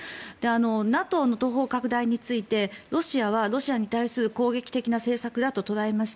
ＮＡＴＯの東方拡大についてロシアはロシアに対する攻撃的な政策だと捉えました。